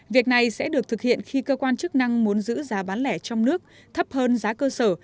việc này sẽ được thực hiện khi cơ quan chức năng muốn giữ giá bán lẻ trong nước thấp hơn giá cơ sở